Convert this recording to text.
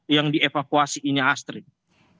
yang dievakuasi ini astrid